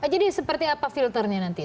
jadi seperti apa filternya nanti